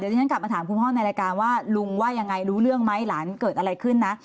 ที่ฉันกลับมาถามคุณพ่อในรายการว่าลุงว่ายังไงรู้เรื่องไหมหลานเกิดอะไรขึ้นนะ